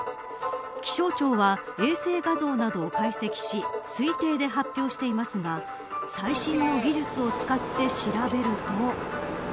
気象庁は衛星画像などを解析し推定で発表していますが最新の技術を使って調べると。